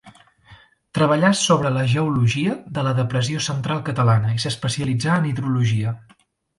Treballà sobre la geologia de la Depressió Central catalana, i s'especialitzà en hidrologia.